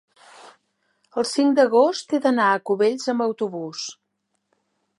el cinc d'agost he d'anar a Cubells amb autobús.